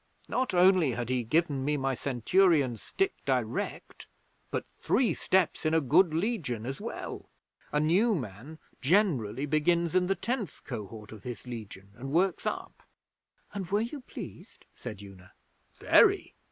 Not only had he given me my Centurion's stick direct, but three steps in a good Legion as well! A new man generally begins in the Tenth Cohort of his Legion, and works up.' 'And were you pleased?' said Una. 'Very.